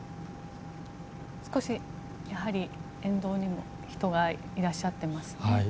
少し沿道に人がいらっしゃっていますね。